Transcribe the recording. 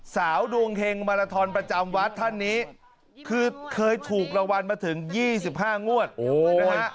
สาวดวงเฮงมาลาทอนประจำวัดท่านนี้คือเคยถูกรางวัลมาถึง๒๕งวดนะฮะ